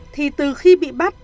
thì từ khi bị bắt